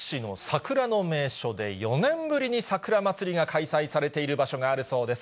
関東屈指の桜の名所で４年ぶりに桜まつりが開催されている場所があるそうです。